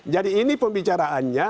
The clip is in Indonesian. jadi ini pembicaraannya